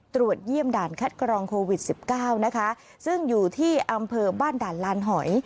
ตรวจเยี่ยมด่านคัดกรองโควิดสิบเก้านะคะซึ่งอยู่ที่อำเภอบ้านด่านลานหอย